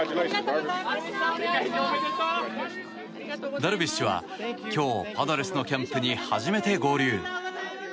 ダルビッシュは今日パドレスのキャンプに初めて合流。